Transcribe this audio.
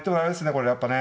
これやっぱね。